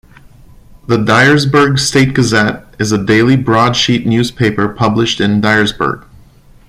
The "Dyersburg State Gazette" is a daily broadsheet newspaper published in Dyersburg.